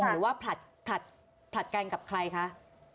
หรือว่าผลัดกันกับใครคะ